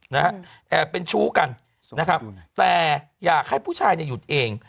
นะฮะแอบเป็นชู้กันนะครับแต่อยากให้ผู้ชายเนี่ยหยุดเอง